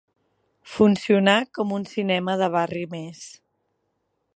Funcionà com un cinema de barri més.